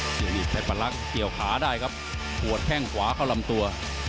เพชรพันล้ำเกี่ยวขาได้ครับปวดแข้งขวาเข้ารำตัว